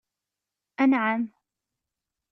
Anɛam?